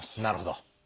なるほど。